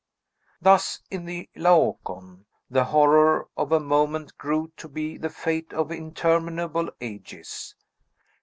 Thus, in the Laocoon, the horror of a moment grew to be the fate of interminable ages.